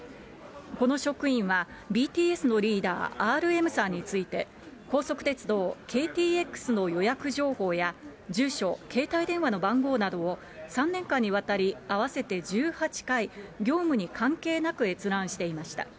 この職員は、ＢＴＳのリーダー、ＲＭさんについて、高速鉄道ＫＴＸの予約情報や住所、携帯電話の番号などを、３年間にわたり、合わせて１８回、業務に関係なく閲覧していました。